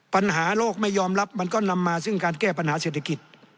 ปัญหาโลกไม่ยอมรับมันก็นำมาซึ่งการแก้ปัญหาเศรษฐกิจ